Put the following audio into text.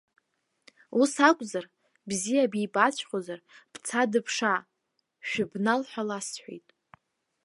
Ус акәзар, бзиа бибаҵәҟьозар, бца, дыԥшаа, шәыбнал ҳәа ласҳәеит.